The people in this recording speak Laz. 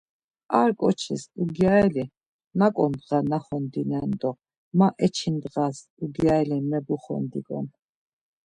A ǩoçis ugyareli muǩu ndğa naxondinen do ma eçi ndğa ugyareli mebuxondiǩon.